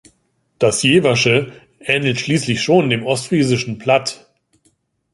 Das Jeversche ähnelt schließlich schon dem ostfriesischen Platt.